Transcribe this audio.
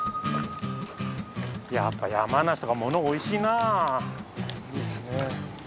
やっぱ山梨とかものおいしいなぁ。ですね。